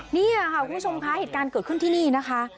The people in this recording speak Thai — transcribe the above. นี่ค่ะคุณผู้ชมคะเหตุการณ์เกิดขึ้นที่นี่นะคะ